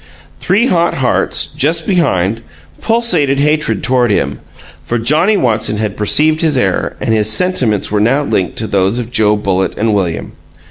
Three hot hearts, just behind, pulsated hatred toward him; for Johnnie Watson had perceived his error, and his sentiments were now linked to those of Joe Bullitt and William.